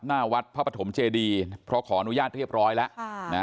หน้าวัดพระปฐมเจดีเพราะขออนุญาตเรียบร้อยแล้ว